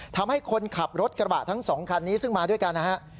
ทำให้คนขับรถกระบะทั้งสองคันนี้ซึ่งมาด้วยกันนะฮะ